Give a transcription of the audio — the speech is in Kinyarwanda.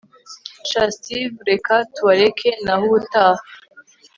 shn steve reka tubareke nahubutaha